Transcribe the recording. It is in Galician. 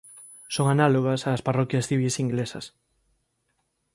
Son análogas ás "parroquias civís" inglesas.